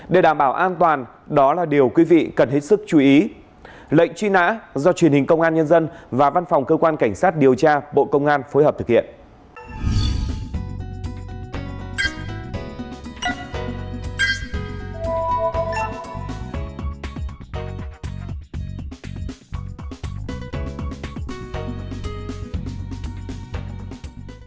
để đảm bảo an toàn đó là điều quý vị cần hết sức chú ý